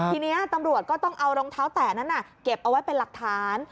ทีนี้ตำรวจก็ต้องเอารองเท้าแตะนั้นเก็บเอาไว้เป็นหลักฐาน